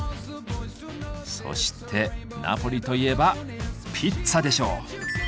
そしてナポリといえばピッツァでしょう！